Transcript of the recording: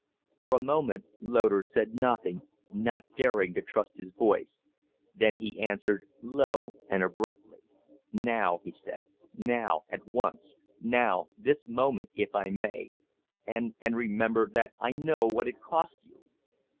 For a moment Loder said nothing, not daring to trust his voice; then he answered, low and abruptly. "Now!" he said. "Now, at once! Now, this moment, if I may. And and remember that I know what it costs you."